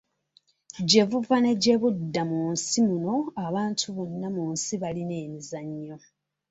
Gye buva ne gye budda mu nsi muno abantu bonna mu nsi balina emizannyo.